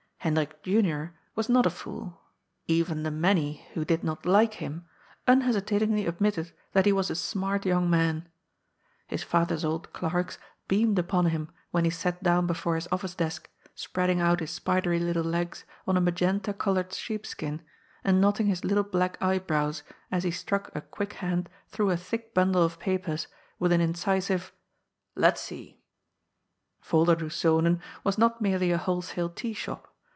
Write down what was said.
Hendrik Junior was not a fool. Even the many who did not like him unhesitatingly admitted that he was a smart young man. His father's old clerks beamed upon him, when he sat down before his office desk, spreading out his spidery little legs on a magenta coloured sheepskin, and knotting his little black eyebrows, as he struck a quick hand through a thick bundle of papers, with an incisive " Let's see." Volderdoes Zonen " was not merely a wholesale tea shop.